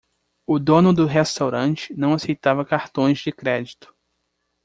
O dono do restaurante não aceitava cartões de crédito.